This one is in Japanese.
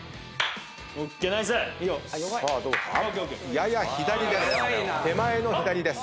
やや左です。